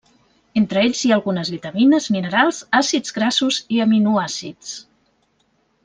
Entre ells hi ha algunes vitamines, minerals, àcids grassos i aminoàcids.